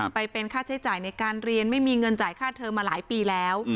ไปเป็นค่าใช้จ่ายในการเรียนไม่มีเงินจ่ายค่าเทอมมาหลายปีแล้ว